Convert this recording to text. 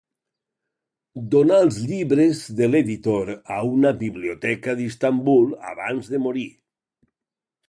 Donà els llibres de l'editorial a una biblioteca d'Istanbul abans de morir.